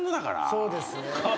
そうですね。